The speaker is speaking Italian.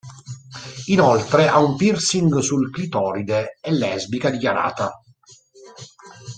Inoltre ha un piercing sul clitoride, è lesbica dichiarata.